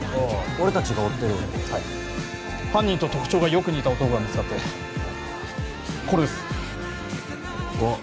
俺達が追ってるはい犯人と特徴がよく似た男が見つかってこれですわっ